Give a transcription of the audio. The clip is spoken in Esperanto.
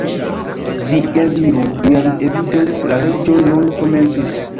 "Vi eldiru vian evidenc" la Reĝo nur komencis.